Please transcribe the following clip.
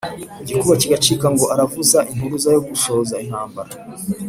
Igikuba kigacika, Ngo aravuza impuruza yo gushoza intambara